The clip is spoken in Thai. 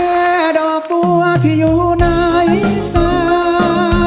แม่ดอกตัวที่อยู่ในนี้สวัสดิ์